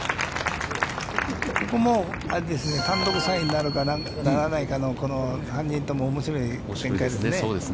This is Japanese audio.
ここもあれですね、単独３位になるかならないかの３人とも、おもしろい展開ですね。